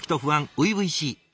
初々しい。